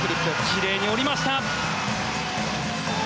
きれいに降りました！